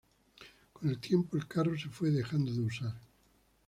Con el tiempo el carro se fue dejando de usar.